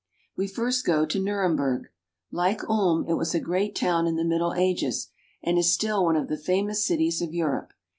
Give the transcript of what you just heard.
We first go to Nuremberg. Like Ulm, it was a great town in the Middle Ages, and is still one of the famous cities of Europe.